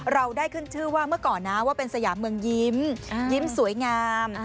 เราได้ขึ้นชื่อว่าเมื่อก่อนนะว่าเป็นสยามเมืองยิ้มยิ้มสวยงาม